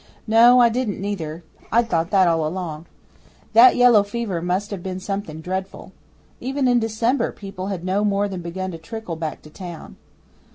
No, I didn't neither. I'd thought that all along. That yellow fever must have been something dreadful. Even in December people had no more than begun to trinkle back to town.